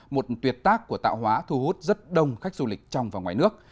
một tuyệt tác của tạo hóa thu hút rất đông khách du lịch trong và ngoài nước